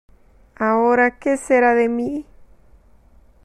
¡ ahora qué será de mí!...